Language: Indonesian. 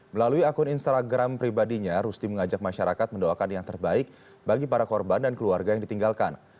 melalui akun instagram pribadinya rusti mengajak masyarakat mendoakan yang terbaik bagi para korban dan keluarga yang ditinggalkan